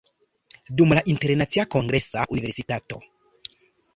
Dum la Internacia Kongresa Universitato.